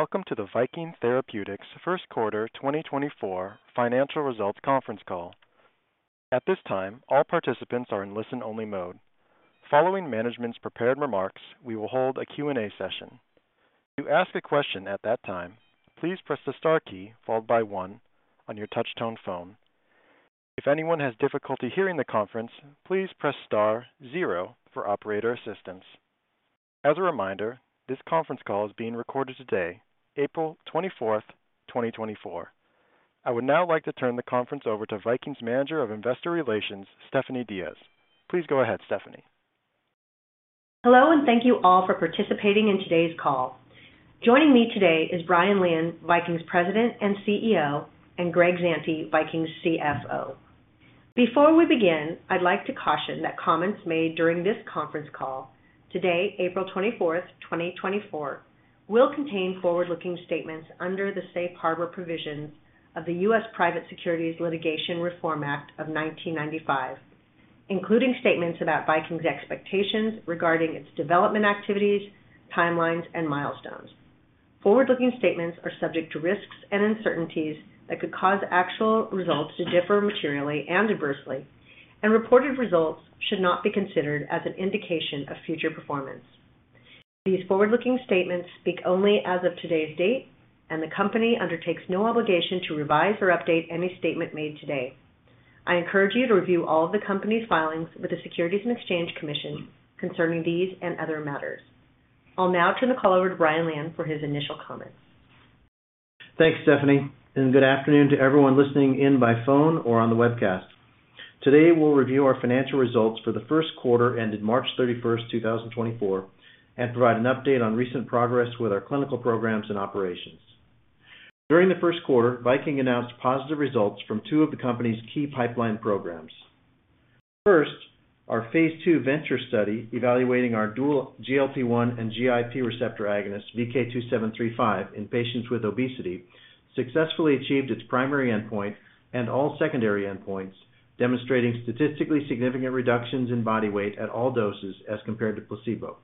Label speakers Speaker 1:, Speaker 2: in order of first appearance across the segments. Speaker 1: Welcome to the Viking Therapeutics first quarter 2024 financial results conference call. At this time, all participants are in listen-only mode. Following management's prepared remarks, we will hold a Q&A session. If you ask a question at that time, please press the star key followed by one on your touch-tone phone. If anyone has difficulty hearing the conference, please press star zero for operator assistance. As a reminder, this conference call is being recorded today, April 24th, 2024. I would now like to turn the conference over to Viking's manager of investor relations, Stephanie Diaz. Please go ahead, Stephanie.
Speaker 2: Hello and thank you all for participating in today's call. Joining me today is Brian Lian, Viking's president and CEO, and Greg Zante, Viking's CFO. Before we begin, I'd like to caution that comments made during this conference call today, April 24th, 2024, will contain forward-looking statements under the Safe Harbor provisions of the U.S. Private Securities Litigation Reform Act of 1995, including statements about Viking's expectations regarding its development activities, timelines, and milestones. Forward-looking statements are subject to risks and uncertainties that could cause actual results to differ materially and adversely and reported results should not be considered as an indication of future performance. These forward-looking statements speak only as of today's date, and the company undertakes no obligation to revise or update any statement made today. I encourage you to review all of the company's filings with the Securities and Exchange Commission concerning these and other matters. I'll now turn the call over to Brian Lian for his initial comments.
Speaker 3: Thanks, Stephanie, and good afternoon to everyone listening in by phone or on the webcast. Today we'll review our financial results for the first quarter ended March 31st, 2024, and provide an update on recent progress with our clinical programs and operations. During the first quarter, Viking announced positive results from two of the company's key pipeline programs. First, our phase II VENTURE study evaluating our dual GLP-1 and GIP receptor agonist VK2735 in patients with obesity successfully achieved its primary endpoint and all secondary endpoints, demonstrating statistically significant reductions in body weight at all doses as compared to placebo.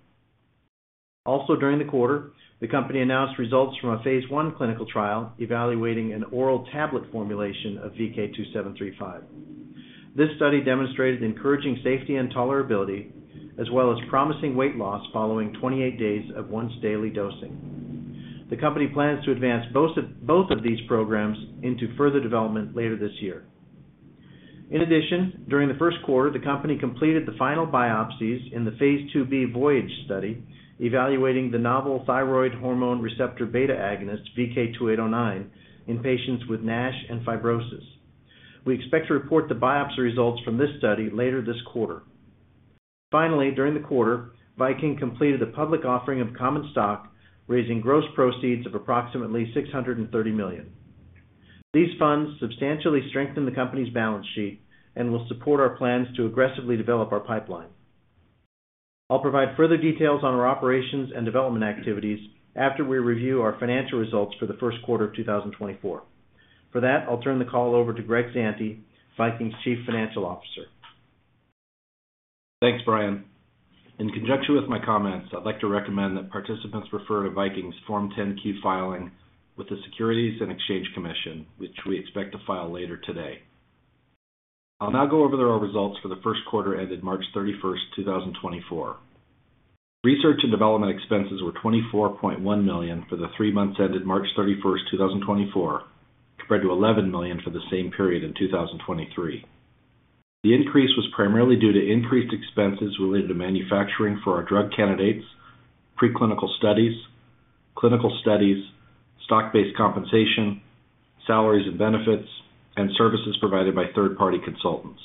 Speaker 3: Also during the quarter, the company announced results from a phase I clinical trial evaluating an oral tablet formulation of VK2735. This study demonstrated encouraging safety and tolerability, as well as promising weight loss following 28 days of once-daily dosing. The company plans to advance both of these programs into further development later this year. In addition, during the first quarter, the company completed the final biopsies in the phase II-B VOYAGE study evaluating the novel thyroid hormone receptor beta agonist VK2809 in patients with NASH and fibrosis. We expect to report the biopsy results from this study later this quarter. Finally, during the quarter, Viking completed a public offering of common stock, raising gross proceeds of approximately $630 million. These funds substantially strengthen the company's balance sheet and will support our plans to aggressively develop our pipeline. I'll provide further details on our operations and development activities after we review our financial results for the first quarter of 2024. For that, I'll turn the call over to Greg Zante, Viking's Chief Financial Officer.
Speaker 4: Thanks, Brian. In conjunction with my comments, I'd like to recommend that participants refer to Viking's Form 10-Q filing with the Securities and Exchange Commission, which we expect to file later today. I'll now go over their results for the first quarter ended March 31st, 2024. Research and development expenses were $24.1 million for the three months ended March 31st, 2024, compared to $11 million for the same period in 2023. The increase was primarily due to increased expenses related to manufacturing for our drug candidates, preclinical studies, clinical studies, stock-based compensation, salaries and benefits, and services provided by third-party consultants.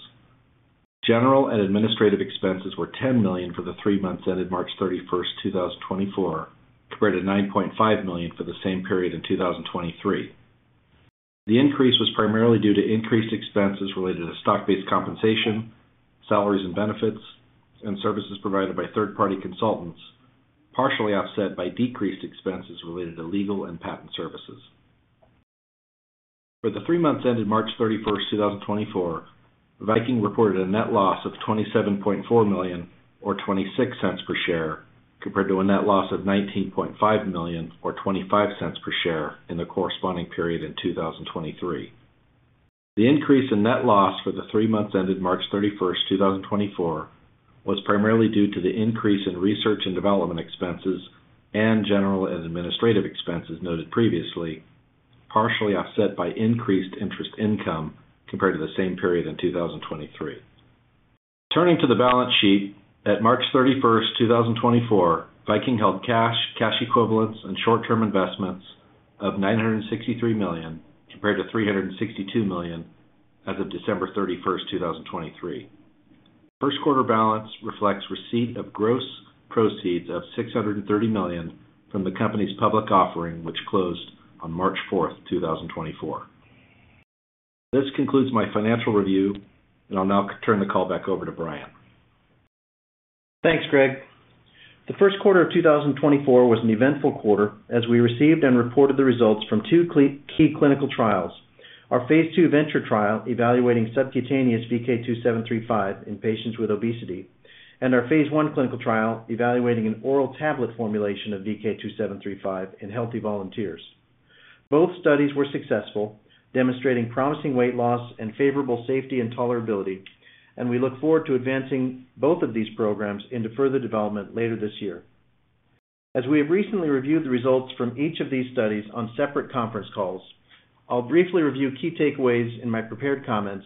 Speaker 4: General and administrative expenses were $10 million for the three months ended March 31st, 2024, compared to $9.5 million for the same period in 2023. The increase was primarily due to increased expenses related to stock-based compensation, salaries and benefits, and services provided by third-party consultants, partially offset by decreased expenses related to legal and patent services. For the three months ended March 31st, 2024, Viking reported a net loss of $27.4 million or $0.26 per share, compared to a net loss of $19.5 million or $0.25 per share in the corresponding period in 2023. The increase in net loss for the three months ended March 31st, 2024, was primarily due to the increase in research and development expenses and general and administrative expenses noted previously, partially offset by increased interest income compared to the same period in 2023. Turning to the balance sheet, at March 31st, 2024, Viking held cash, cash equivalents, and short-term investments of $963 million compared to $362 million as of December 31st, 2023. First quarter balance reflects receipt of gross proceeds of $630 million from the company's public offering, which closed on March 4th, 2024. This concludes my financial review, and I'll now turn the call back over to Brian.
Speaker 3: Thanks, Greg. The first quarter of 2024 was an eventful quarter as we received and reported the results from two key clinical trials: our phase II VENTURE trial evaluating subcutaneous VK2735 in patients with obesity, and our phase I clinical trial evaluating an oral tablet formulation of VK2735 in healthy volunteers. Both studies were successful, demonstrating promising weight loss and favorable safety and tolerability, and we look forward to advancing both of these programs into further development later this year. As we have recently reviewed the results from each of these studies on separate conference calls, I'll briefly review key takeaways in my prepared comments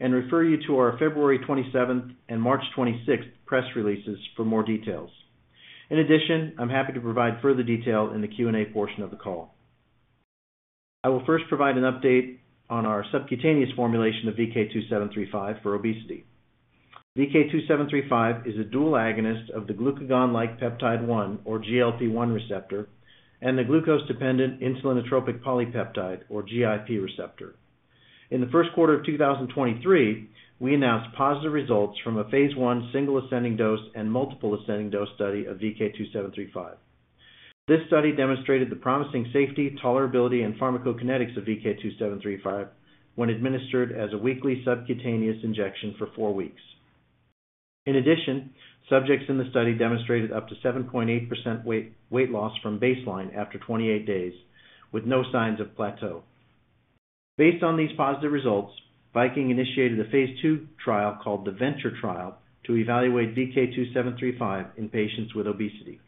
Speaker 3: and refer you to our February 27th and March 26th press releases for more details. In addition, I'm happy to provide further detail in the Q&A portion of the call. I will first provide an update on our subcutaneous formulation of VK2735 for obesity. VK2735 is a dual agonist of the glucagon-like peptide-1, or GLP-1, receptor and the glucose-dependent insulinotropic polypeptide, or GIP receptor. In the first quarter of 2023, we announced positive results from a phase I single ascending dose and multiple ascending dose study of VK2735. This study demonstrated the promising safety, tolerability, and pharmacokinetics of VK2735 when administered as a weekly subcutaneous injection for four weeks. In addition, subjects in the study demonstrated up to 7.8% weight loss from baseline after 28 days, with no signs of plateau. Based on these positive results, Viking initiated a phase II trial called the VENTURE trial to evaluate VK2735 in patients with obesity.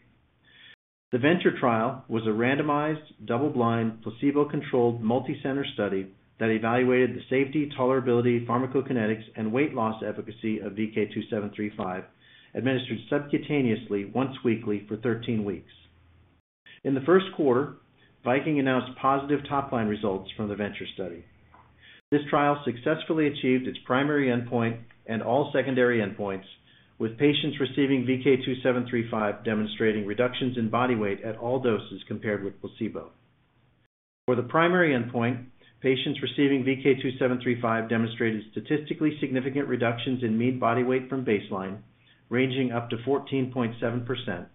Speaker 3: The VENTURE trial was a randomized, double-blind, placebo-controlled, multicenter study that evaluated the safety, tolerability, pharmacokinetics, and weight loss efficacy of VK2735 administered subcutaneously once weekly for 13 weeks. In the first quarter, Viking announced positive top-line results from the VENTURE study. This trial successfully achieved its primary endpoint and all secondary endpoints, with patients receiving VK2735 demonstrating reductions in body weight at all doses compared with placebo. For the primary endpoint, patients receiving VK2735 demonstrated statistically significant reductions in mean body weight from baseline, ranging up to 14.7%,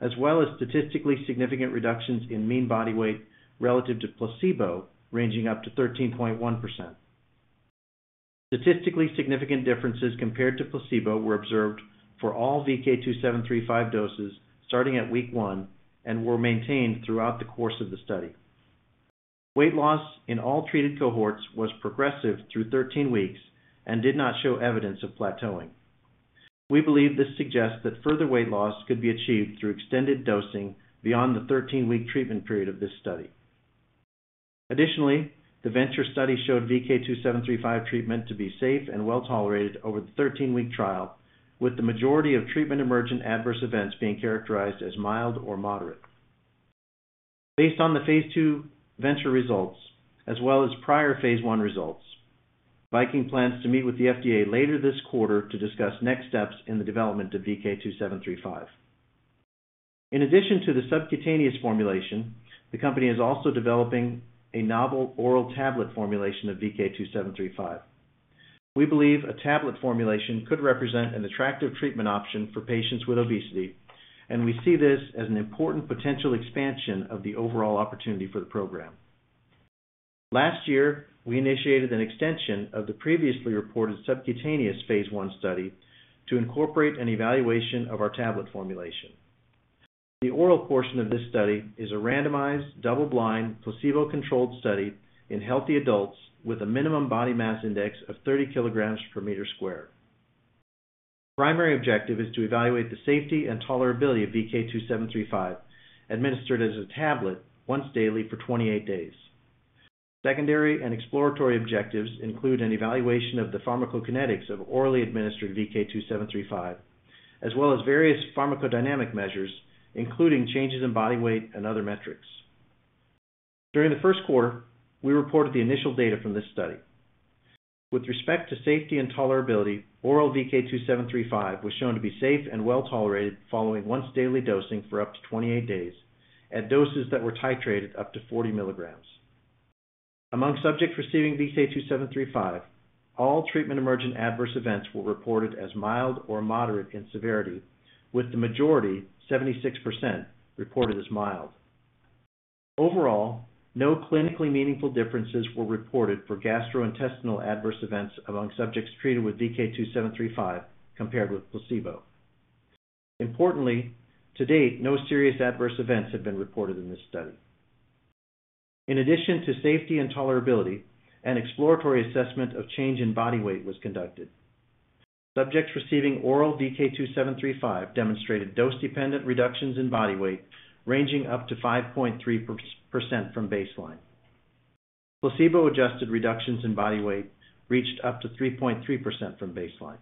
Speaker 3: as well as statistically significant reductions in mean body weight relative to placebo, ranging up to 13.1%. Statistically significant differences compared to placebo were observed for all VK2735 doses starting at week one and were maintained throughout the course of the study. Weight loss in all treated cohorts was progressive through 13 weeks and did not show evidence of plateauing. We believe this suggests that further weight loss could be achieved through extended dosing beyond the 13-week treatment period of this study. Additionally, the VENTURE study showed VK2735 treatment to be safe and well-tolerated over the 13-week trial, with the majority of treatment-emergent adverse events being characterized as mild or moderate. Based on the phase II VENTURE results, as well as prior phase I results, Viking plans to meet with the FDA later this quarter to discuss next steps in the development of VK2735. In addition to the subcutaneous formulation, the company is also developing a novel oral tablet formulation of VK2735. We believe a tablet formulation could represent an attractive treatment option for patients with obesity, and we see this as an important potential expansion of the overall opportunity for the program. Last year, we initiated an extension of the previously reported subcutaneous phase I study to incorporate an evaluation of our tablet formulation. The oral portion of this study is a randomized, double-blind, placebo-controlled study in healthy adults with a minimum body mass index of 30 kilograms per meter square. Primary objective is to evaluate the safety and tolerability of VK2735 administered as a tablet once daily for 28 days. Secondary and exploratory objectives include an evaluation of the pharmacokinetics of orally administered VK2735, as well as various pharmacodynamic measures, including changes in body weight and other metrics. During the first quarter, we reported the initial data from this study. With respect to safety and tolerability, oral VK2735 was shown to be safe and well-tolerated following once-daily dosing for up to 28 days at doses that were titrated up to 40 mg. Among subjects receiving VK2735, all treatment-emergent adverse events were reported as mild or moderate in severity, with the majority, 76%, reported as mild. Overall, no clinically meaningful differences were reported for gastrointestinal adverse events among subjects treated with VK2735 compared with placebo. Importantly, to date, no serious adverse events have been reported in this study. In addition to safety and tolerability, an exploratory assessment of change in body weight was conducted. Subjects receiving oral VK2735 demonstrated dose-dependent reductions in body weight ranging up to 5.3% from baseline. Placebo-adjusted reductions in body weight reached up to 3.3% from baseline.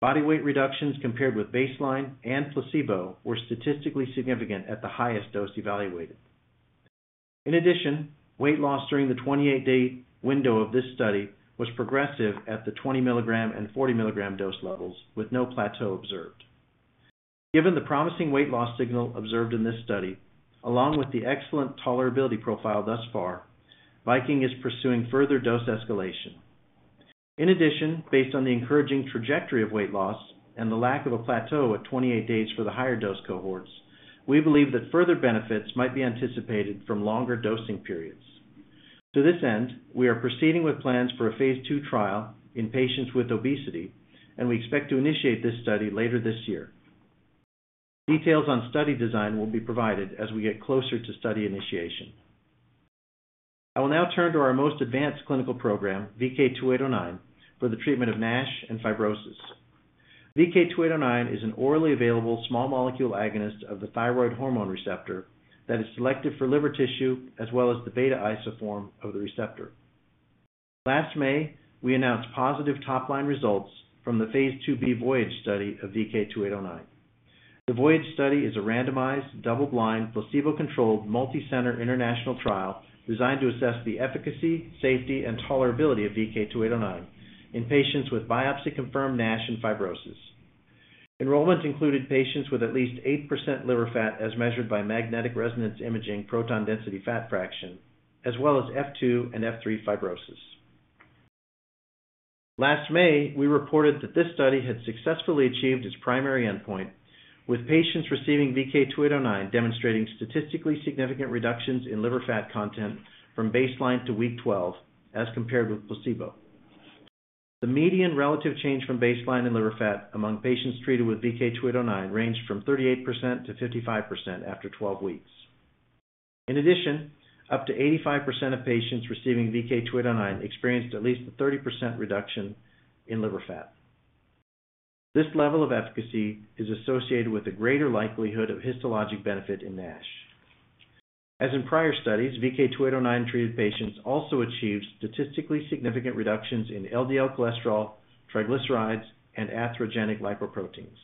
Speaker 3: Body weight reductions compared with baseline and placebo were statistically significant at the highest dose evaluated. In addition, weight loss during the 28-day window of this study was progressive at the 20 mg and 40 mg dose levels, with no plateau observed. Given the promising weight loss signal observed in this study, along with the excellent tolerability profile thus far, Viking is pursuing further dose escalation. In addition, based on the encouraging trajectory of weight loss and the lack of a plateau at 28 days for the higher dose cohorts, we believe that further benefits might be anticipated from longer dosing periods. To this end, we are proceeding with plans for a phase II trial in patients with obesity, and we expect to initiate this study later this year. Details on study design will be provided as we get closer to study initiation. I will now turn to our most advanced clinical program, VK2809, for the treatment of NASH and fibrosis. VK2809 is an orally available small molecule agonist of the thyroid hormone receptor that is selective for liver tissue as well as the beta isoform of the receptor. Last May, we announced positive top-line results from the phase II-B VOYAGE study of VK2809. The VOYAGE study is a randomized, double-blind, placebo-controlled, multicenter international trial designed to assess the efficacy, safety, and tolerability of VK2809 in patients with biopsy-confirmed NASH and fibrosis. Enrollment included patients with at least 8% liver fat as measured by magnetic resonance imaging proton density fat fraction, as well as F2 and F3 fibrosis. Last May, we reported that this study had successfully achieved its primary endpoint, with patients receiving VK2809 demonstrating statistically significant reductions in liver fat content from baseline to week 12 as compared with placebo. The median relative change from baseline in liver fat among patients treated with VK2809 ranged from 38%-55% after 12 weeks. In addition, up to 85% of patients receiving VK2809 experienced at least a 30% reduction in liver fat. This level of efficacy is associated with a greater likelihood of histologic benefit in NASH. As in prior studies, VK2809-treated patients also achieved statistically significant reductions in LDL cholesterol, triglycerides, and atherogenic lipoproteins.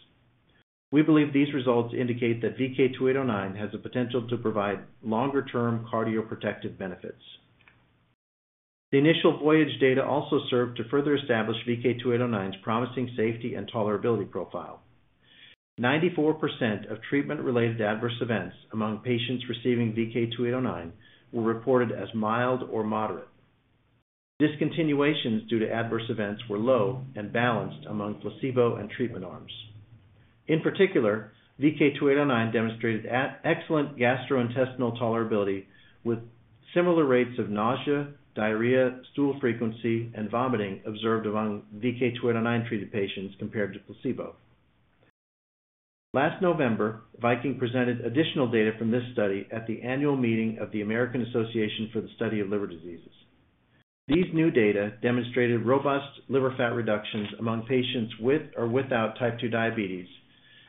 Speaker 3: We believe these results indicate that VK2809 has the potential to provide longer-term cardioprotective benefits. The initial VOYAGE data also served to further establish VK2809's promising safety and tolerability profile. 94% of treatment-related adverse events among patients receiving VK2809 were reported as mild or moderate. Discontinuations due to adverse events were low and balanced among placebo and treatment arms. In particular, VK2809 demonstrated excellent gastrointestinal tolerability with similar rates of nausea, diarrhea, stool frequency, and vomiting observed among VK2809-treated patients compared to placebo. Last November, Viking presented additional data from this study at the annual meeting of the American Association for the Study of Liver Diseases. These new data demonstrated robust liver fat reductions among patients with or without type 2 diabetes,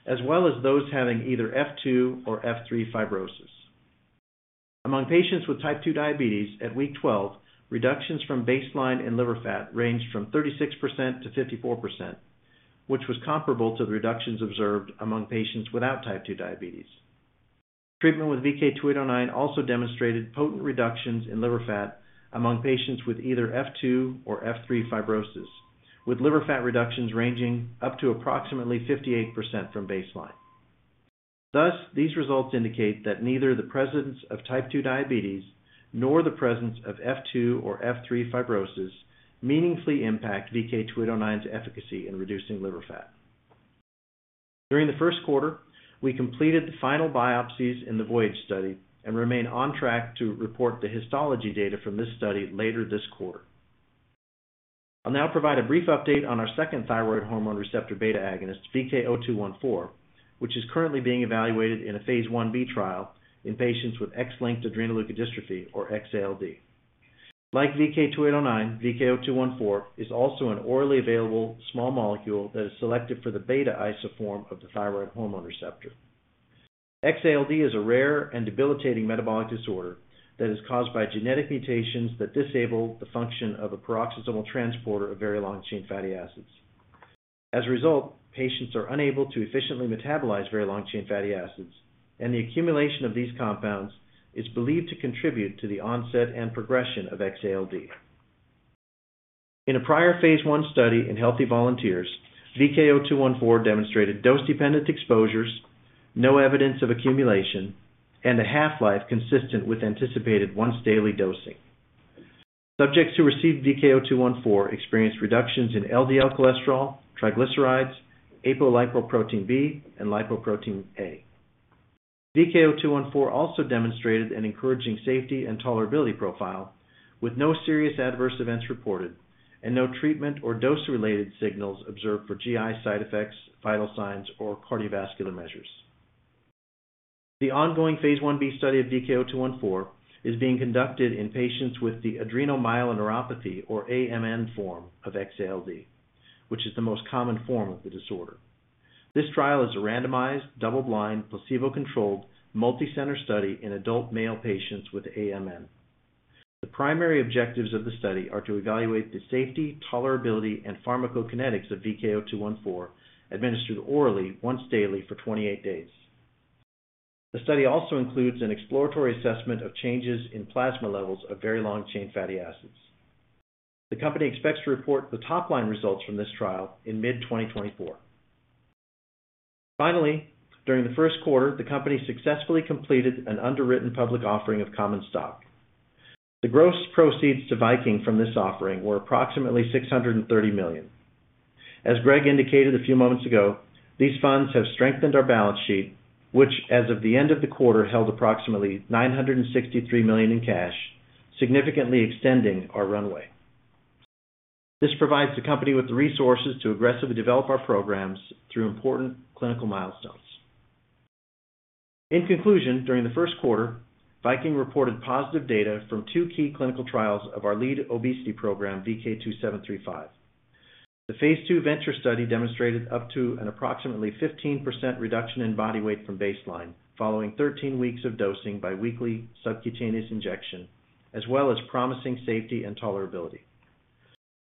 Speaker 3: as well as those having either F2 or F3 fibrosis. Among patients with type 2 diabetes at week 12, reductions from baseline in liver fat ranged from 36%-54%, which was comparable to the reductions observed among patients without type 2 diabetes. Treatment with VK2809 also demonstrated potent reductions in liver fat among patients with either F2 or F3 fibrosis, with liver fat reductions ranging up to approximately 58% from baseline. Thus, these results indicate that neither the presence of type 2 diabetes nor the presence of F2 or F3 fibrosis meaningfully impact VK2809's efficacy in reducing liver fat. During the first quarter, we completed the final biopsies in the VOYAGE study and remain on track to report the histology data from this study later this quarter. I'll now provide a brief update on our second thyroid hormone receptor beta agonist, VK0214, which is currently being evaluated in a phase I-B trial in patients with X-linked adrenoleukodystrophy, or X-ALD. Like VK2809, VK0214 is also an orally available small molecule that is selective for the beta isoform of the thyroid hormone receptor. X-ALD is a rare and debilitating metabolic disorder that is caused by genetic mutations that disable the function of a peroxisomal transporter of very long-chain fatty acids. As a result, patients are unable to efficiently metabolize very long-chain fatty acids, and the accumulation of these compounds is believed to contribute to the onset and progression of X-ALD. In a prior phase I study in healthy volunteers, VK0214 demonstrated dose-dependent exposures, no evidence of accumulation, and a half-life consistent with anticipated once-daily dosing. Subjects who received VK0214 experienced reductions in LDL cholesterol, triglycerides, apolipoprotein B, and lipoprotein A. VK0214 also demonstrated an encouraging safety and tolerability profile, with no serious adverse events reported and no treatment or dose-related signals observed for GI side effects, vital signs, or cardiovascular measures. The ongoing phase I-B study of VK0214 is being conducted in patients with the adrenomyeloneuropathy, or AMN, form of X-ALD, which is the most common form of the disorder. This trial is a randomized, double-blind, placebo-controlled, multicenter study in adult male patients with AMN. The primary objectives of the study are to evaluate the safety, tolerability, and pharmacokinetics of VK0214 administered orally once daily for 28 days. The study also includes an exploratory assessment of changes in plasma levels of very long-chain fatty acids. The company expects to report the top-line results from this trial in mid-2024. Finally, during the first quarter, the company successfully completed an underwritten public offering of common stock. The gross proceeds to Viking from this offering were approximately $630 million. As Greg indicated a few moments ago, these funds have strengthened our balance sheet, which, as of the end of the quarter, held approximately $963 million in cash, significantly extending our runway. This provides the company with the resources to aggressively develop our programs through important clinical milestones. In conclusion, during the first quarter, Viking reported positive data from two key clinical trials of our lead obesity program, VK2735. The phase II VENTURE study demonstrated up to an approximately 15% reduction in body weight from baseline following 13 weeks of dosing by weekly subcutaneous injection, as well as promising safety and tolerability.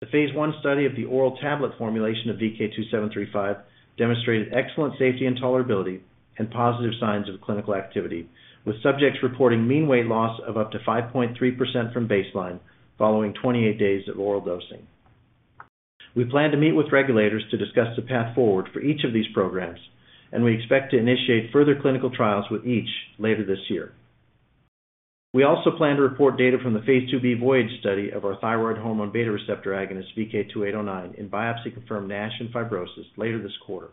Speaker 3: The phase I study of the oral tablet formulation of VK2735 demonstrated excellent safety and tolerability and positive signs of clinical activity, with subjects reporting mean weight loss of up to 5.3% from baseline following 28 days of oral dosing. We plan to meet with regulators to discuss the path forward for each of these programs, and we expect to initiate further clinical trials with each later this year. We also plan to report data from the phase II-B VOYAGE study of our thyroid hormone beta receptor agonist, VK2809, in biopsy-confirmed NASH and fibrosis later this quarter.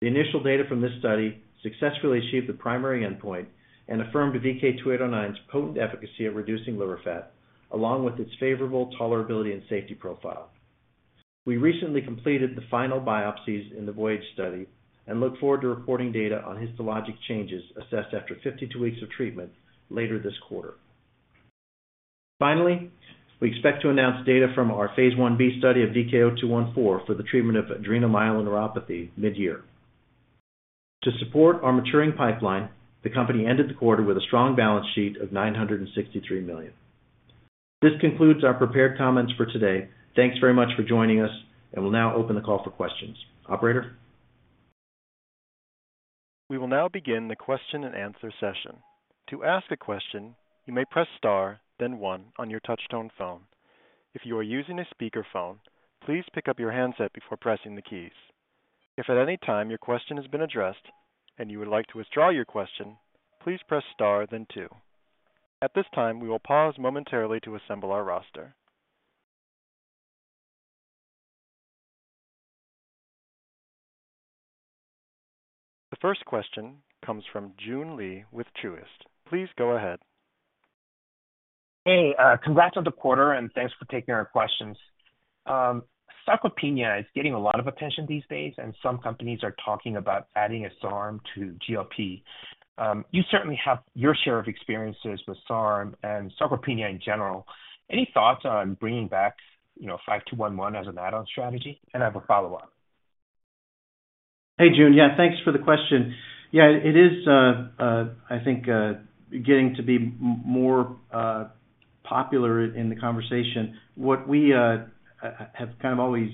Speaker 3: The initial data from this study successfully achieved the primary endpoint and affirmed VK2809's potent efficacy at reducing liver fat, along with its favorable tolerability and safety profile. We recently completed the final biopsies in the VOYAGE study and look forward to reporting data on histologic changes assessed after 52 weeks of treatment later this quarter. Finally, we expect to announce data from our phase I-B study of VK0214 for the treatment of adrenomyeloneuropathy mid-year. To support our maturing pipeline, the company ended the quarter with a strong balance sheet of $963 million. This concludes our prepared comments for today. Thanks very much for joining us, and we'll now open the call for questions. Operator?
Speaker 1: We will now begin the question-and-answer session. To ask a question, you may press star, then one on your touchtone phone. If you are using a speakerphone, please pick up your handset before pressing the keys. If at any time your question has been addressed and you would like to withdraw your question, please press star, then two. At this time, we will pause momentarily to assemble our roster. The first question comes from Joon Lee with Truist. Please go ahead.
Speaker 5: Hey, congrats on the quarter, and thanks for taking our questions. Sarcopenia is getting a lot of attention these days, and some companies are talking about adding a SARM to GLP. You certainly have your share of experiences with SARM and sarcopenia in general. Any thoughts on bringing back 5211 as an add-on strategy? And I have a follow-up.
Speaker 3: Hey, Joon. Yeah, thanks for the question. Yeah, it is, I think, getting to be more popular in the conversation. What we have kind of always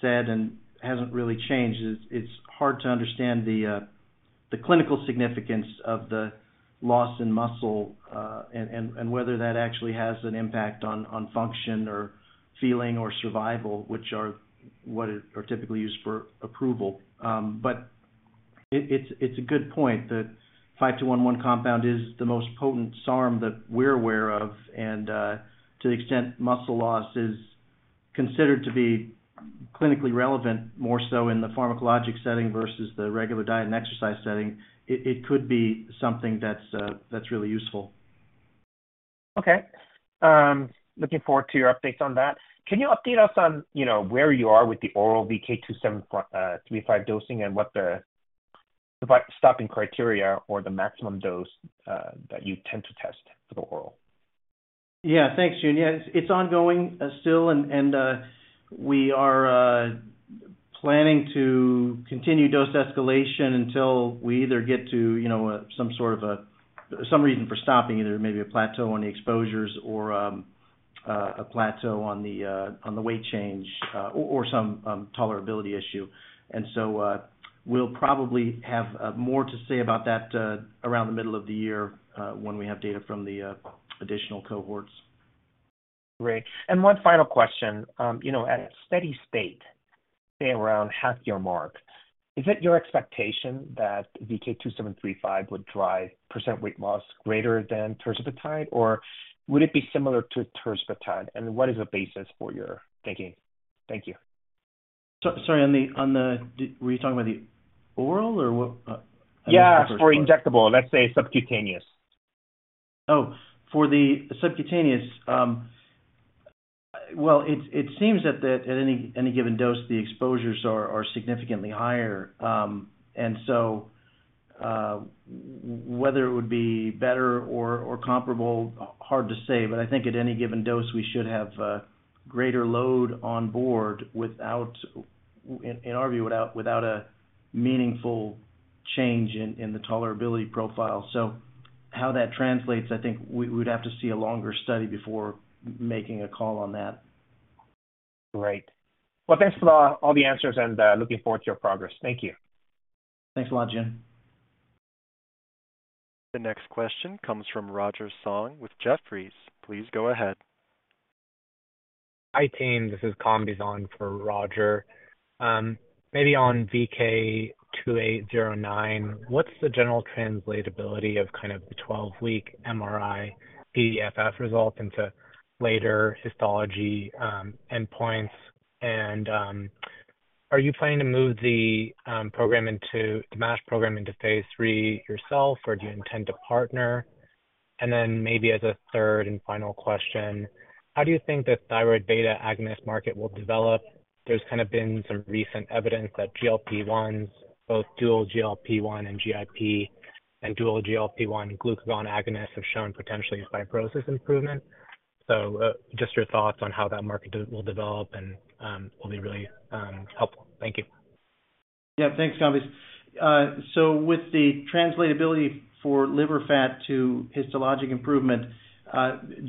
Speaker 3: said and hasn't really changed is it's hard to understand the clinical significance of the loss in muscle and whether that actually has an impact on function or feeling or survival, which are what are typically used for approval. But it's a good point that VK5211 compound is the most potent SARM that we're aware of, and to the extent muscle loss is considered to be clinically relevant, more so in the pharmacologic setting versus the regular diet and exercise setting, it could be something that's really useful.
Speaker 5: Okay. Looking forward to your updates on that. Can you update us on where you are with the oral VK2735 dosing and what the stopping criteria or the maximum dose that you tend to test for the oral?
Speaker 3: Yeah, thanks, Joon. Yeah, it's ongoing still, and we are planning to continue dose escalation until we either get to some sort of a reason for stopping, either maybe a plateau on the exposures or a plateau on the weight change or some tolerability issue. We'll probably have more to say about that around the middle of the year when we have data from the additional cohorts.
Speaker 5: Great. One final question. At steady state, say around half-year mark, is it your expectation that VK2735 would drive percent weight loss greater than tirzepatide, or would it be similar to tirzepatide? And what is the basis for your thinking? Thank you.
Speaker 3: Sorry, on the were you talking about the oral, or what?
Speaker 5: Yeah, for injectable, let's say subcutaneous.
Speaker 3: Oh, for the subcutaneous. Well, it seems that at any given dose, the exposures are significantly higher. And so whether it would be better or comparable, hard to say. But I think at any given dose, we should have greater load on board without in our view, without a meaningful change in the tolerability profile. So how that translates, I think we would have to see a longer study before making a call on that.
Speaker 5: Great. Well, thanks for all the answers, and looking forward to your progress. Thank you.
Speaker 3: Thanks a lot, Joon.
Speaker 1: The next question comes from Roger Song with Jefferies. Please go ahead.
Speaker 6: Hi, team. This is Kambiz Yazdi for Roger. Maybe on VK2809, what's the general translatability of kind of the 12-week MRI PDFF result into later histology endpoints? And are you planning to move the program into the MASH program into phase III yourself, or do you intend to partner? And then maybe as a third and final question, how do you think the thyroid beta agonist market will develop? There's kind of been some recent evidence that GLP-1s, both dual GLP-1 and GIP, and dual GLP-1 glucagon agonists have shown potentially fibrosis improvement. So just your thoughts on how that market will develop will be really helpful. Thank you.
Speaker 3: Yeah, thanks, Kambiz. So with the translatability for liver fat to histologic improvement,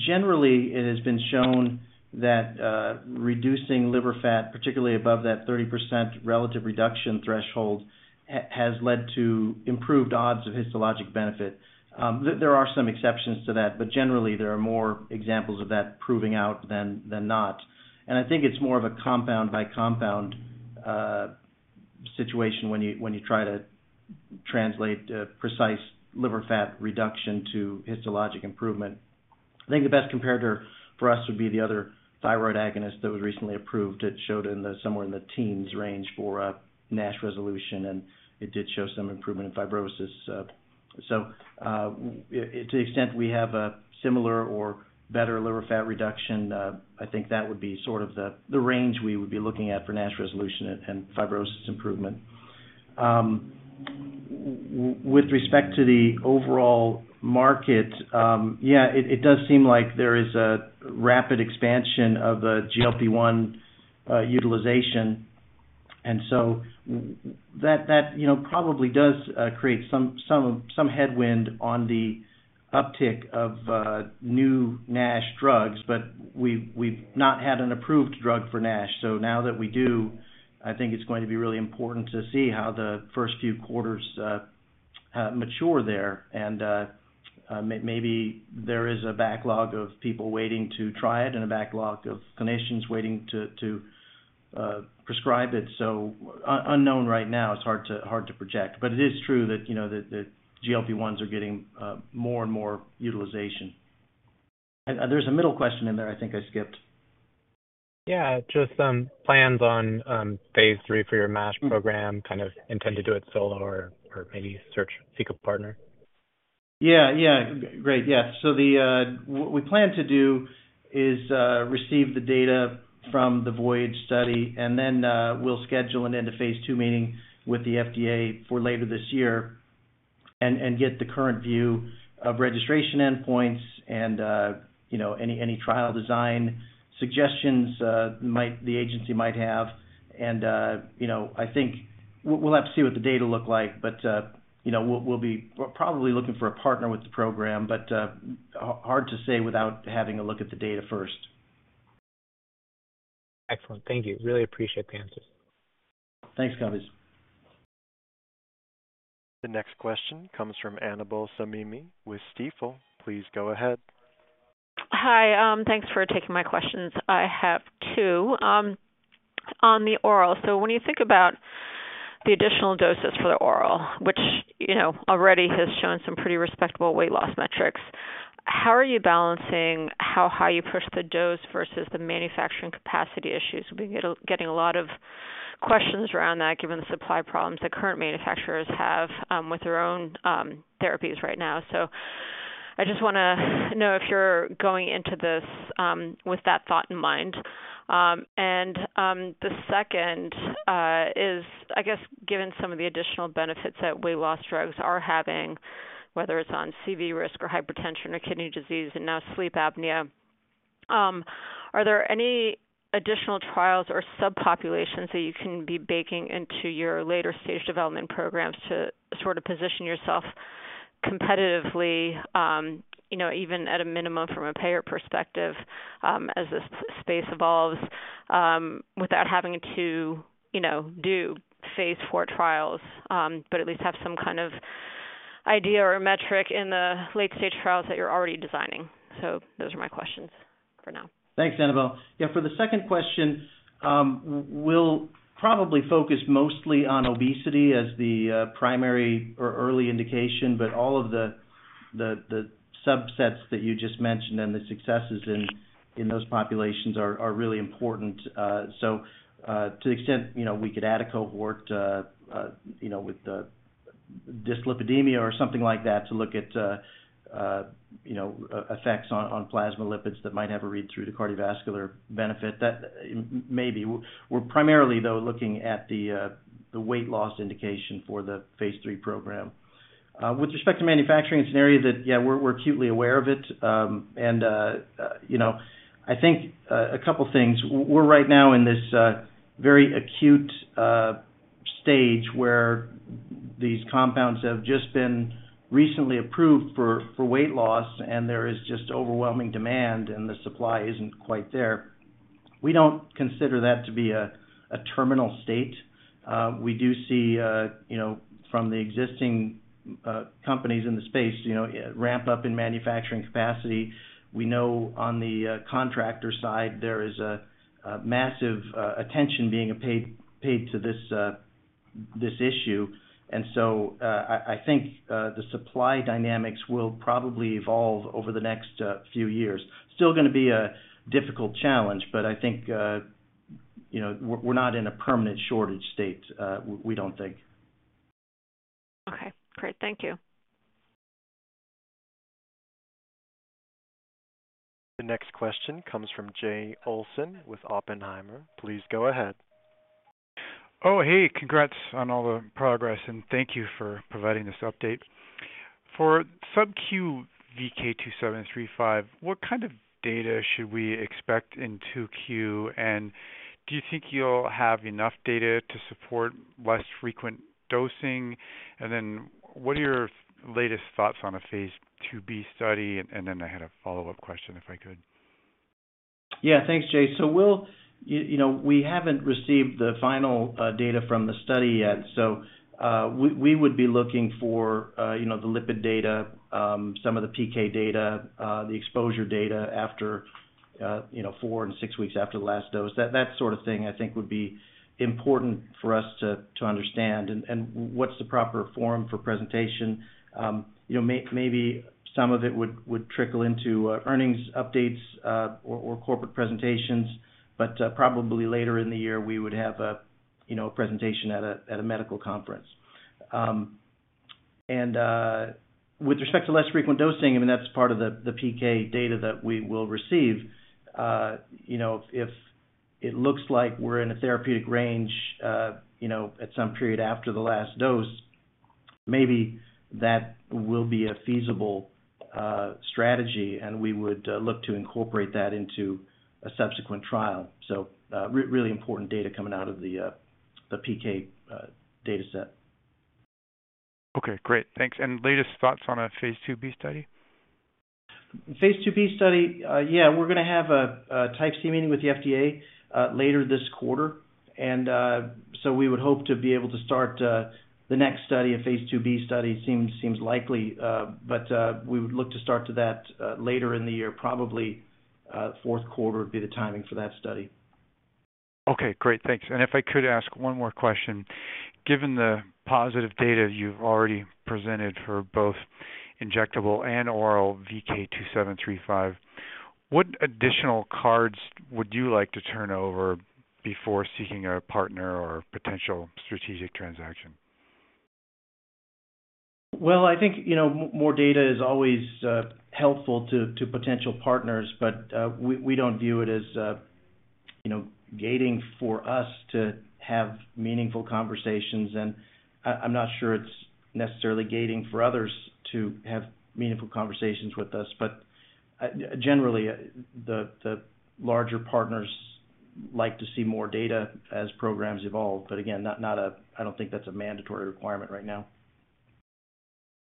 Speaker 3: generally, it has been shown that reducing liver fat, particularly above that 30% relative reduction threshold, has led to improved odds of histologic benefit. There are some exceptions to that, but generally, there are more examples of that proving out than not. And I think it's more of a compound-by-compound situation when you try to translate precise liver fat reduction to histologic improvement. I think the best comparator for us would be the other thyroid agonist that was recently approved. It showed somewhere in the teens range for NASH resolution, and it did show some improvement in fibrosis. To the extent we have a similar or better liver fat reduction, I think that would be sort of the range we would be looking at for NASH resolution and fibrosis improvement. With respect to the overall market, yeah, it does seem like there is a rapid expansion of the GLP-1 utilization. So that probably does create some headwind on the uptick of new NASH drugs, but we've not had an approved drug for NASH. Now that we do, I think it's going to be really important to see how the first few quarters mature there. Maybe there is a backlog of people waiting to try it and a backlog of clinicians waiting to prescribe it. Unknown right now. It's hard to project. It is true that the GLP-1s are getting more and more utilization. There's a middle question in there. I think I skipped. Yeah, just plans on phase III for your MASH program. Kind of intend to do it solo or maybe seek a partner? Yeah, yeah. Great. Yeah. So what we plan to do is receive the data from the VOYAGE study, and then we'll schedule an end-of-phase II meeting with the FDA for later this year and get the current view of registration endpoints and any trial design suggestions the agency might have. And I think we'll have to see what the data look like, but we'll be probably looking for a partner with the program. But hard to say without having a look at the data first.
Speaker 6: Excellent. Thank you. Really appreciate the answers.
Speaker 3: Thanks, Brian.
Speaker 1: The next question comes from Annabel Samimy with Stifel. Please go ahead.
Speaker 7: Hi. Thanks for taking my questions. I have two on the oral. So when you think about the additional doses for the oral, which already has shown some pretty respectable weight loss metrics, how are you balancing how high you push the dose versus the manufacturing capacity issues? We've been getting a lot of questions around that given the supply problems that current manufacturers have with their own therapies right now. So I just want to know if you're going into this with that thought in mind? And the second is, I guess, given some of the additional benefits that weight loss drugs are having, whether it's on CV risk or hypertension or kidney disease and now sleep apnea, are there any additional trials or subpopulations that you can be baking into your later-stage development programs to sort of position yourself competitively, even at a minimum from a payer perspective as this space evolves, without having to do phase IV trials, but at least have some kind of idea or metric in the late-stage trials that you're already designing? So those are my questions for now.
Speaker 3: Thanks, Annabel. Yeah, for the second question, we'll probably focus mostly on obesity as the primary or early indication, but all of the subsets that you just mentioned and the successes in those populations are really important. So to the extent we could add a cohort with dyslipidemia or something like that to look at effects on plasma lipids that might have a read-through to cardiovascular benefit, that may be. We're primarily, though, looking at the weight loss indication for the phase III program. With respect to manufacturing, it's an area that, yeah, we're acutely aware of it. And I think a couple of things. We're right now in this very acute stage where these compounds have just been recently approved for weight loss, and there is just overwhelming demand, and the supply isn't quite there. We don't consider that to be a terminal state. We do see, from the existing companies in the space, ramp-up in manufacturing capacity. We know on the contractor side, there is a massive attention being paid to this issue. I think the supply dynamics will probably evolve over the next few years. Still going to be a difficult challenge, but I think we're not in a permanent shortage state, we don't think.
Speaker 7: Okay. Great. Thank you.
Speaker 1: The next question comes from Jay Olson with Oppenheimer. Please go ahead.
Speaker 8: Oh, hey. Congrats on all the progress, and thank you for providing this update. For sub-Q VK2735, what kind of data should we expect in 2Q? And do you think you'll have enough data to support less frequent dosing? And then what are your latest thoughts on a phase II-B study? And then I had a follow-up question if I could.
Speaker 3: Yeah, thanks, Jay. We haven't received the final data from the study yet. So we would be looking for the lipid data, some of the PK data, the exposure data after four and six weeks after the last dose. That sort of thing, I think, would be important for us to understand. And what's the proper form for presentation? Maybe some of it would trickle into earnings updates or corporate presentations, but probably later in the year, we would have a presentation at a medical conference. And with respect to less frequent dosing, I mean, that's part of the PK data that we will receive. If it looks like we're in a therapeutic range at some period after the last dose, maybe that will be a feasible strategy, and we would look to incorporate that into a subsequent trial. So really important data coming out of the PK dataset.
Speaker 8: Okay. Great. Thanks. And latest thoughts on a phase II-B study?
Speaker 3: Phase II-B study, yeah, we're going to have a Type C meeting with the FDA later this quarter. And so we would hope to be able to start the next study, a phase II-B study, seems likely. But we would look to start to that later in the year. Probably fourth quarter would be the timing for that study.
Speaker 8: Okay. Great. Thanks. And if I could ask one more question, given the positive data you've already presented for both injectable and oral VK2735, what additional cards would you like to turn over before seeking a partner or potential strategic transaction?
Speaker 3: Well, I think more data is always helpful to potential partners, but we don't view it as gating for us to have meaningful conversations. And I'm not sure it's necessarily gating for others to have meaningful conversations with us. But generally, the larger partners like to see more data as programs evolve. But again, I don't think that's a mandatory requirement right now.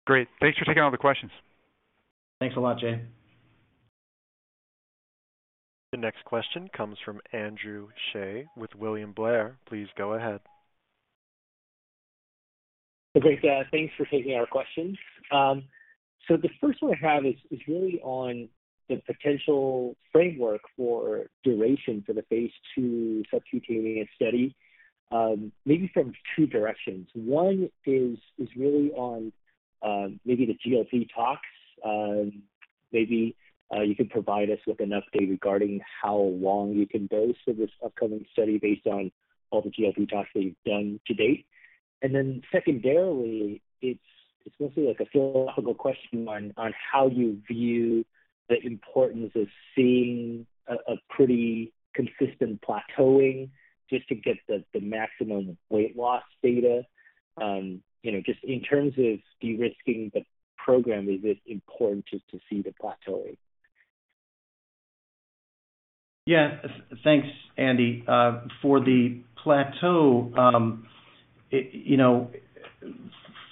Speaker 8: Great. Thanks for taking all the questions.
Speaker 3: Thanks a lot, Jay.
Speaker 1: The next question comes from Andrew Hsieh with William Blair. Please go ahead.
Speaker 9: Okay. Thanks for taking our questions. So the first one I have is really on the potential framework for duration for the phase II subcutaneous study, maybe from two directions. One is really on maybe the GLP talks. Maybe you can provide us with an update regarding how long you can dose for this upcoming study based on all the GLP talks that you've done to date. And then secondarily, it's mostly a philosophical question on how you view the importance of seeing a pretty consistent plateauing just to get the maximum weight loss data. Just in terms of de-risking the program, is it important to see the plateauing?
Speaker 3: Yeah. Thanks, Andy. For the plateau,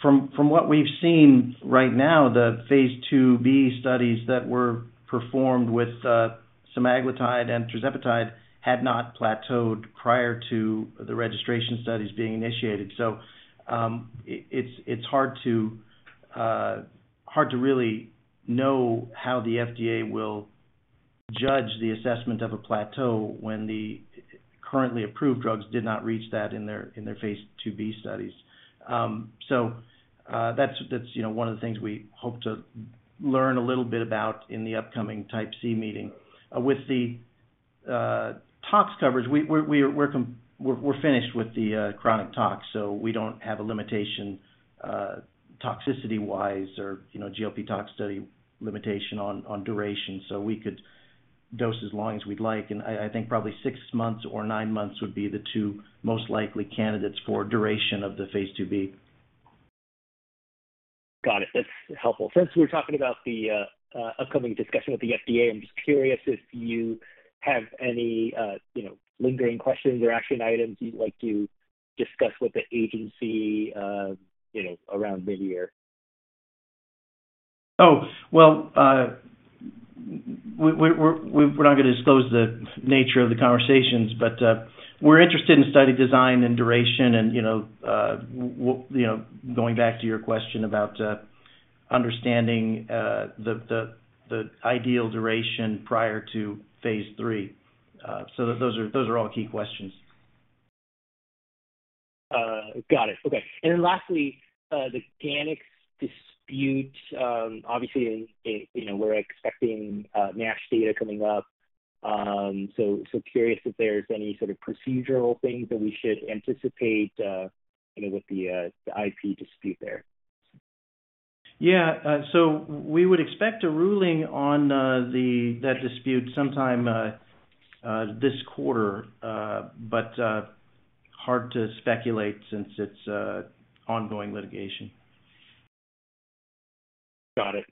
Speaker 3: from what we've seen right now, the phase II-B studies that were performed with semaglutide and tirzepatide had not plateaued prior to the registration studies being initiated. So it's hard to really know how the FDA will judge the assessment of a plateau when the currently approved drugs did not reach that in their phase II-B studies. So that's one of the things we hope to learn a little bit about in the upcoming Type C meeting. With the tox coverage, we're finished with the chronic tox, so we don't have a limitation toxicity-wise or GLP tox study limitation on duration. So we could dose as long as we'd like. I think probably 6 months or 9 months would be the two most likely candidates for duration of the phase II-B.
Speaker 9: Got it. That's helpful. Since we're talking about the upcoming discussion with the FDA, I'm just curious if you have any lingering questions or action items you'd like to discuss with the agency around mid-year.
Speaker 3: Oh, well, we're not going to disclose the nature of the conversations, but we're interested in study design and duration. Going back to your question about understanding the ideal duration prior to phase III, so those are all key questions.
Speaker 9: Got it. Okay. Then lastly, the Gannex dispute. Obviously, we're expecting NASH data coming up. So curious if there's any sort of procedural things that we should anticipate with the IP dispute there.
Speaker 3: Yeah. So we would expect a ruling on that dispute sometime this quarter, but hard to speculate since it's ongoing litigation.
Speaker 9: Got it.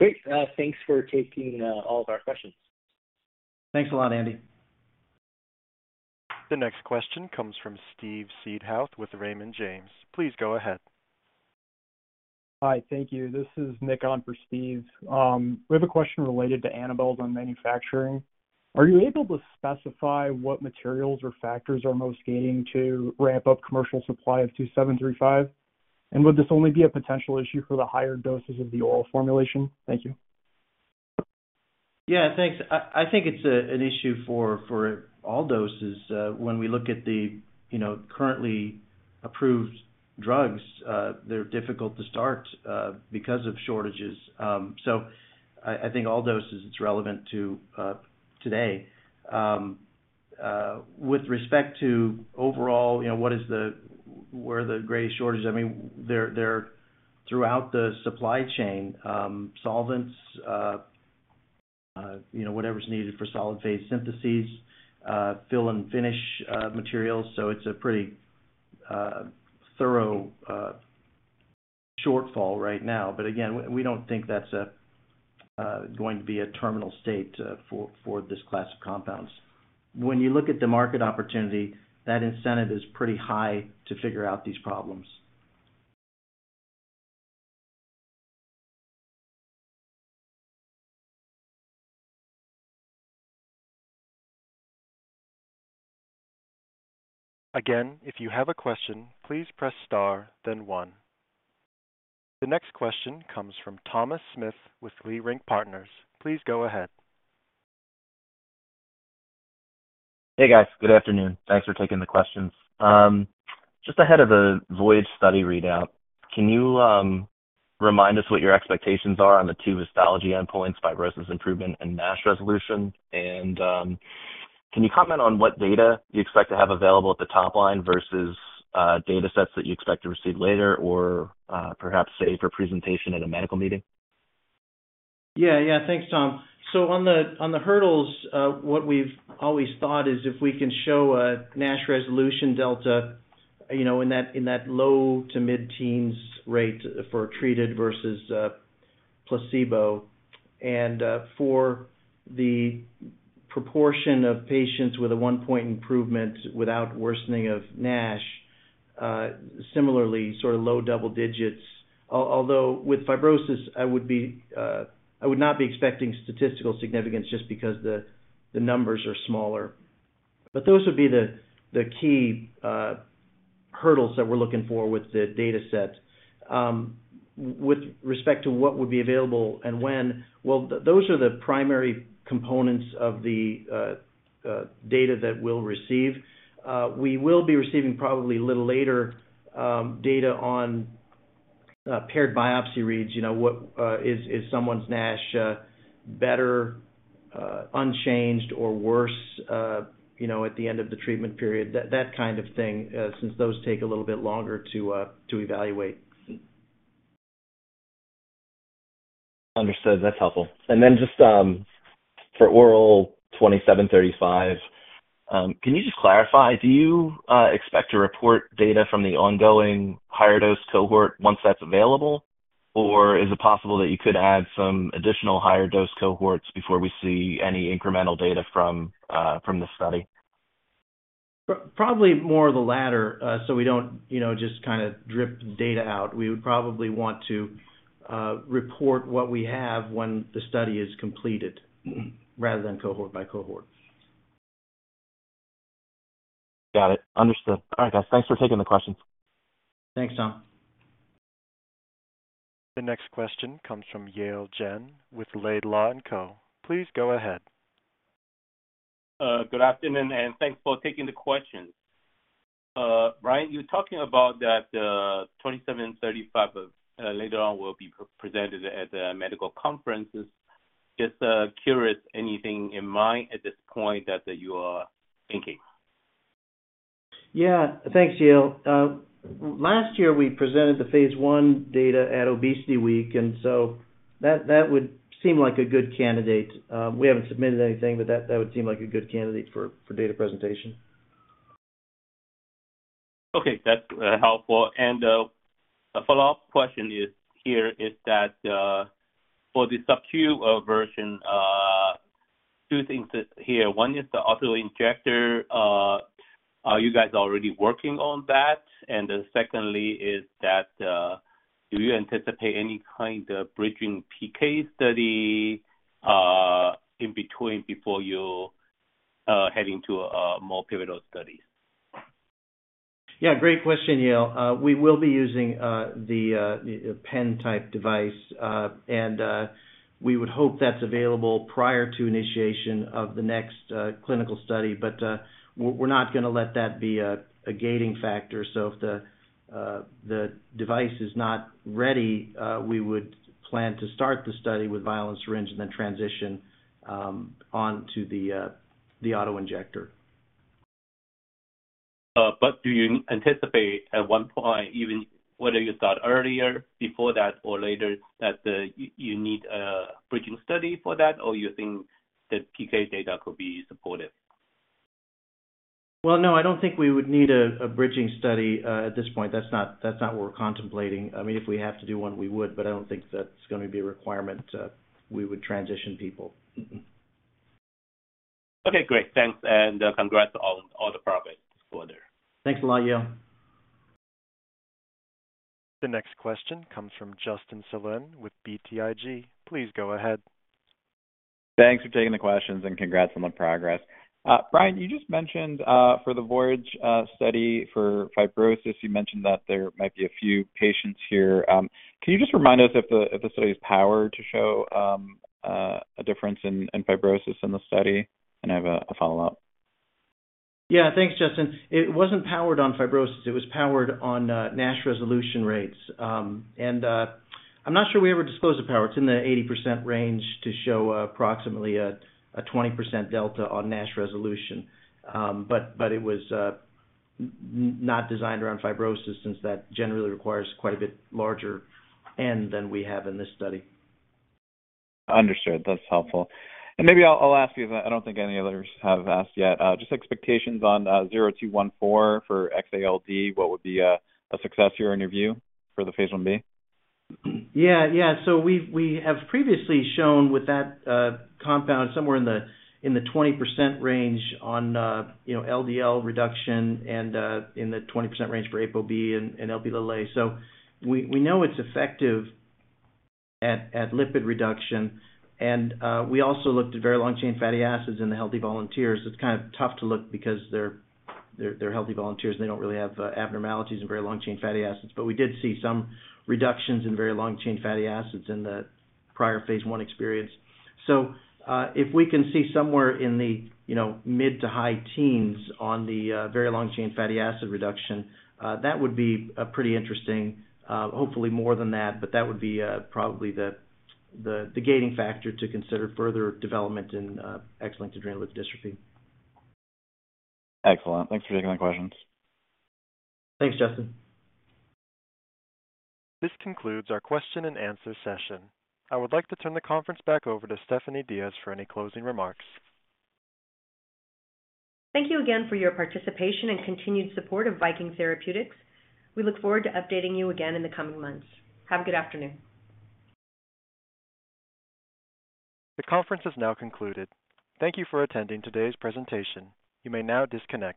Speaker 9: Great. Thanks for taking all of our questions.
Speaker 3: Thanks a lot, Andy.
Speaker 1: The next question comes from Steve Seedhouse with Raymond James. Please go ahead.
Speaker 10: Hi. Thank you. This is Nick on for Steve. We have a question related to Annabelle's on manufacturing. Are you able to specify what materials or factors are most gating to ramp up commercial supply of 2735? And would this only be a potential issue for the higher doses of the oral formulation? Thank you.
Speaker 3: Yeah. Thanks. I think it's an issue for all doses. When we look at the currently approved drugs, they're difficult to start because of shortages. So I think all doses, it's relevant to today. With respect to overall, where are the GLP-1 shortages? I mean, they're throughout the supply chain, solvents, whatever's needed for solid phase syntheses, fill and finish materials. So it's a pretty thorough shortfall right now. But again, we don't think that's going to be a terminal state for this class of compounds. When you look at the market opportunity, that incentive is pretty high to figure out these problems.
Speaker 1: Again, if you have a question, please press star, then one. The next question comes from Thomas Smith with Leerink Partners. Please go ahead.
Speaker 11: Hey, guys. Good afternoon. Thanks for taking the questions. Just ahead of the VOYAGE study readout, can you remind us what your expectations are on the two histology endpoints, fibrosis improvement and NASH resolution? Can you comment on what data you expect to have available at the top line versus datasets that you expect to receive later or perhaps save for presentation at a medical meeting?
Speaker 3: Yeah. Yeah. Thanks, Tom. So on the hurdles, what we've always thought is if we can show a NASH resolution delta in that low to mid-teens rate for treated versus placebo, and for the proportion of patients with a one-point improvement without worsening of NASH, similarly, sort of low double digits. Although with fibrosis, I would not be expecting statistical significance just because the numbers are smaller. But those would be the key hurdles that we're looking for with the dataset. With respect to what would be available and when, well, those are the primary components of the data that we'll receive. We will be receiving probably a little later data on paired biopsy reads. Is someone's NASH better, unchanged, or worse at the end of the treatment period? That kind of thing, since those take a little bit longer to evaluate.
Speaker 11: Understood. That's helpful. And then just for oral 2735, can you just clarify? Do you expect to report data from the ongoing higher-dose cohort once that's available? Or is it possible that you could add some additional higher-dose cohorts before we see any incremental data from the study?
Speaker 3: Probably more of the latter so we don't just kind of drip data out. We would probably want to report what we have when the study is completed rather than cohort by cohort.
Speaker 11: Got it. Understood. All right, guys. Thanks for taking the questions.
Speaker 3: Thanks, Tom.
Speaker 1: The next question comes from Yale Jen with Laidlaw & Co. Please go ahead.
Speaker 12: Good afternoon, and thanks for taking the questions. Brian, you were talking about that 2735 later on will be presented at medical conferences. Just curious, anything in mind at this point that you are thinking?
Speaker 3: Yeah. Thanks, Yale. Last year, we presented the phase I data at Obesity Week, and so that would seem like a good candidate. We haven't submitted anything, but that would seem like a good candidate for data presentation.
Speaker 12: Okay. That's helpful. And a follow-up question here is that for the sub-Q version, two things here. One is the autoinjector. Are you guys already working on that? And then secondly is that do you anticipate any kind of bridging PK study in between before you're heading to more pivotal studies?
Speaker 3: Yeah. Great question, Yale. We will be using the pen-type device, and we would hope that's available prior to initiation of the next clinical study. But we're not going to let that be a gating factor. So if the device is not ready, we would plan to start the study with a vial and syringe and then transition onto the autoinjector.
Speaker 12: But do you anticipate at one point, even whether you thought earlier, before that or later, that you need a bridging study for that, or you think the PK data could be supportive?
Speaker 3: Well, no, I don't think we would need a bridging study at this point. That's not what we're contemplating. I mean, if we have to do one, we would, but I don't think that's going to be a requirement. We would transition people.
Speaker 12: Okay. Great. Thanks, and congrats on all the progress further.
Speaker 3: Thanks a lot, Yale.
Speaker 1: The next question comes from Justin Zelin with BTIG. Please go ahead.
Speaker 13: Thanks for taking the questions and congrats on the progress. Brian, you just mentioned for the VOYAGE study for fibrosis, you mentioned that there might be a few patients here. Can you just remind us if the study is powered to show a difference in fibrosis in the study? And I have a follow-up.
Speaker 3: Yeah. Thanks, Justin. It wasn't powered on fibrosis. It was powered on NASH resolution rates. And I'm not sure we ever disclose the power. It's in the 80% range to show approximately a 20% delta on NASH resolution. But it was not designed around fibrosis since that generally requires quite a bit larger end than we have in this study.
Speaker 13: Understood. That's helpful. And maybe I'll ask you because I don't think any others have asked yet. Just expectations on 0214 for XALD, what would be a success here in your view for the phase I-B?
Speaker 3: Yeah. Yeah. So we have previously shown with that compound somewhere in the 20% range on LDL reduction and in the 20% range for ApoB and Lp(a). So we know it's effective at lipid reduction. And we also looked at very long-chain fatty acids in the healthy volunteers. It's kind of tough to look because they're healthy volunteers, and they don't really have abnormalities in very long-chain fatty acids. But we did see some reductions in very long-chain fatty acids in the prior phase I experience. So if we can see somewhere in the mid to high teens on the very long-chain fatty acid reduction, that would be pretty interesting. Hopefully, more than that, but that would be probably the gating factor to consider further development in X-linked adrenoleukodystrophy.
Speaker 13: Excellent. Thanks for taking the questions.
Speaker 3: Thanks, Justin.
Speaker 1: This concludes our question-and-answer session. I would like to turn the conference back over to Stephanie Diaz for any closing remarks.
Speaker 2: Thank you again for your participation and continued support of Viking Therapeutics. We look forward to updating you again in the coming months. Have a good afternoon.
Speaker 1: The conference has now concluded. Thank you for attending today's presentation. You may now disconnect.